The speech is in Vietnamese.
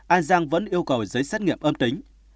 an giang vẫn yêu cầu giấy xét nghiệm âm tính